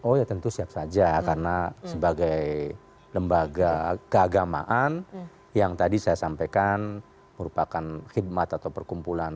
oh ya tentu siap saja karena sebagai lembaga keagamaan yang tadi saya sampaikan merupakan khidmat atau perkumpulan